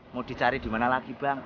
mau dicari dimana lagi bang